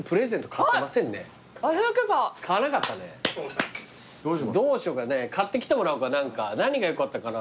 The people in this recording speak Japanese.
買ってきてもらおうか何か何がよかったかな？